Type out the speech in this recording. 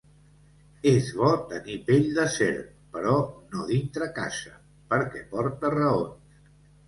És bo tenir pell de serp, però no dintre casa, perquè porta raons.